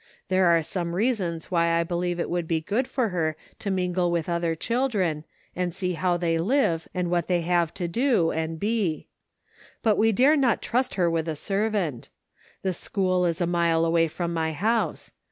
There are some reasons why I believe it would be good for her to mingle with other children and see how they live, and what they have to do, and be ; but we dare not trust her with a servant. The school is a mile away from my house.